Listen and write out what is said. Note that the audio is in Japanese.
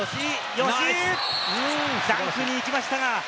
吉井ダンクに行きましたが。